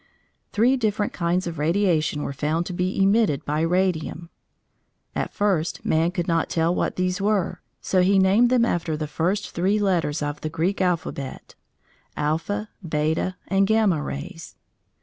Three different kinds of radiation were found to be emitted by radium. At first man could not tell what these were, so he named them after the first three letters of the Greek alphabet Alpha, Beta, and Gamma, rays.